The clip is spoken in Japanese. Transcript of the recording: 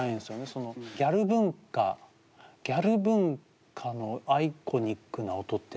そのギャル文化ギャル文化のアイコニックな音って何だ？